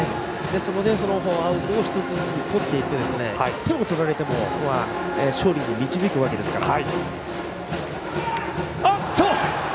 ですのでアウトを１つずつとっていって１点を取られても勝利に導くわけですから。